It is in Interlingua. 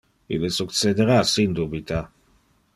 Ille succedera sin dubita.